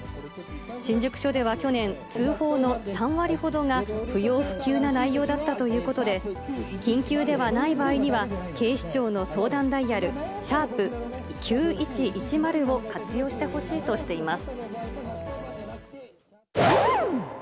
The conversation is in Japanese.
新宿署では去年、通報の３割ほどが不要不急な内容だったということで、緊急ではない場合には、警視庁の相談ダイヤル、＃９１１０を活用してほしいとしています。